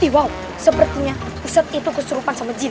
wow sepertinya usadz itu keserupan sama jin